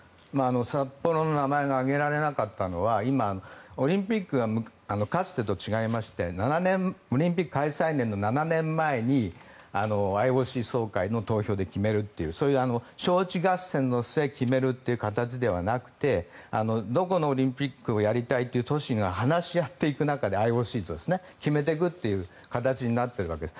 札幌の名前が挙げられなかったのは今、オリンピックがかつてと違いましてオリンピック開催年の７年前にＩＯＣ総会の投票で決めるというそういう招致合戦の末決めるという形ではなくてオリンピックをやりたいという都市が話し合っていく中で決めていくという形になっているわけです。